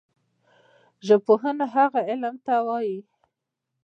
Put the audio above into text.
ژبپوهنه وهغه علم ته وايي